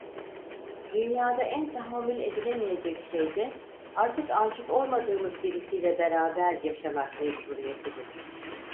Dünyada en tahammül edilemeyecek şey de artık aşık olmadığımız birisiyle beraber yaşamak mecburiyetidir.